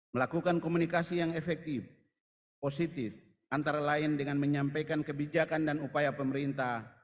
melakukan komunikasi yang efektif positif antara lain dengan menyampaikan kebijakan dan upaya pemerintah